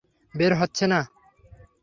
বের হচ্ছে না।